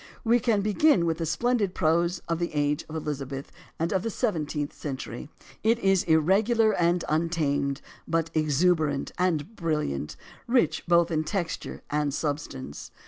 We can begin with the splendid prose of the age AS TO ANTHOLOGIES 239 of Elizabeth and of the seventeenth century. It is irregular and untamed, but exuberant and brilliant, rich both in texture and substance.